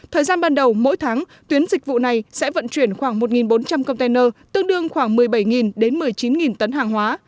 thời gian ban đầu mỗi tháng tuyến dịch vụ này sẽ vận chuyển khoảng một bốn trăm linh container tương đương khoảng một mươi bảy đến một mươi chín tấn hàng hóa